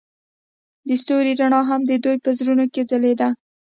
د ستوري رڼا هم د دوی په زړونو کې ځلېده.